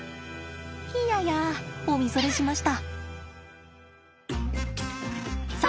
いややお見それしました。